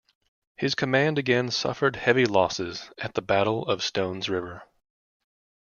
His command again suffered heavy losses at the Battle of Stones River.